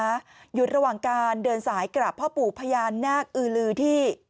อยู่ระหว่างการเดินสายกราบพ่อปู่พญานาคอือลือที่